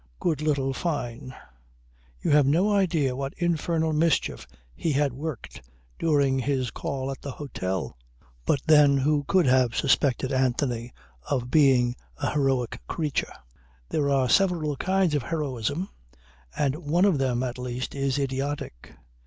Good little Fyne. You have no idea what infernal mischief he had worked during his call at the hotel. But then who could have suspected Anthony of being a heroic creature. There are several kinds of heroism and one of them at least is idiotic.